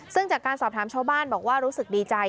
ซึ่งจากการสอบถามชาวบ้านบอกว่ารู้สึกดีใจ